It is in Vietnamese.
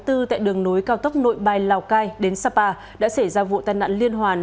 tại đường nối cao tốc nội bài lào cai đến sapa đã xảy ra vụ tai nạn liên hoàn